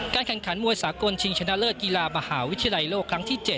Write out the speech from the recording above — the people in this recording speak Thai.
แข่งขันมวยสากลชิงชนะเลิศกีฬามหาวิทยาลัยโลกครั้งที่๗